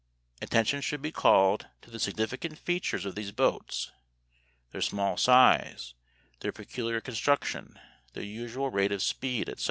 Attention should be called to the significant features of these boats, their small size, their peculiar construction, their usual rate of speed, etc.